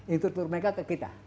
intruder mereka ke kita